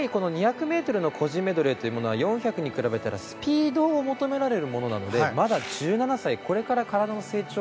２００ｍの個人メドレーというのは４００に比べたらスピードを求められるものなのでまだ１７歳、これから体の成長